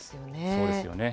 そうですよね。